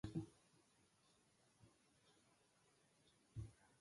These three volumes have subsequently been available individually or as a box set.